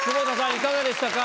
いかがでしたか？